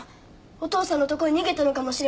お父さんのとこへ逃げたのかもしれません